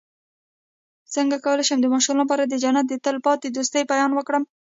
څنګه کولی شم د ماشومانو لپاره د جنت د تل پاتې دوستۍ بیان کړم